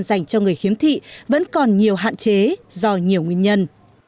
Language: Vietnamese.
dành cho người khiếm thị vẫn còn nhiều hạn chế do nhiều nguyên nhân